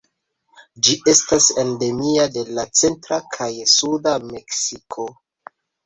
Ĝi estas endemia de la centra kaj suda Meksiko.